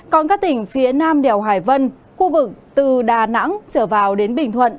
còn các tỉnh phía nam đèo hải vân khu vực từ đà nẵng trở vào đến bình thuận